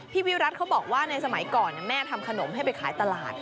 วิรัติเขาบอกว่าในสมัยก่อนแม่ทำขนมให้ไปขายตลาด